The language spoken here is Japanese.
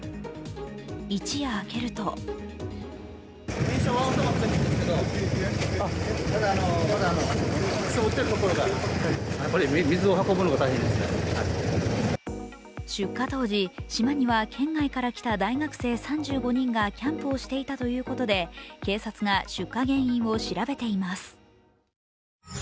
一夜明けると出火当時、島には県外から来た大学生３５人がキャンプをしていたということで警察が出火原因を調べています。